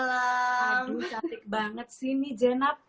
aduh cantik banget sih ini jenat